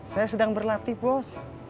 saya sedang berlatih bos